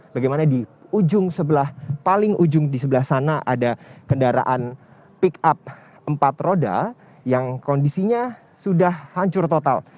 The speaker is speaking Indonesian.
bagaimana di ujung sebelah paling ujung di sebelah sana ada kendaraan pick up empat roda yang kondisinya sudah hancur total